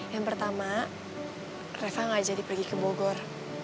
yang pertama reva gak jadi pergi ke bogor